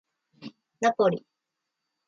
ナポリ